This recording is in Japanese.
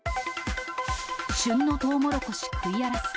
旬のトウモロコシ食い荒らす。